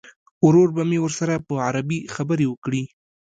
ورور به مې ورسره په عربي خبرې وکړي.